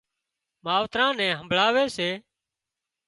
ماوتران نين همڀۯاوي سي